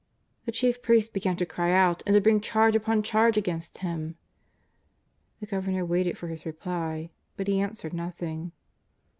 The chief priests began to cry out, and to bring charge upon charge against Him. The Governor waited for His reply. But He answered nothing.